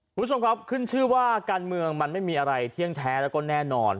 คุณผู้ชมครับขึ้นชื่อว่าการเมืองมันไม่มีอะไรเที่ยงแท้แล้วก็แน่นอน